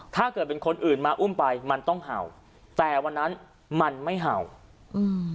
ถ้าเกิดเป็นคนอื่นมาอุ้มไปมันต้องเห่าแต่วันนั้นมันไม่เห่าอืม